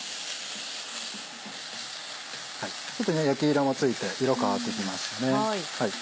ちょっと焼き色もついて色変わってきましたね。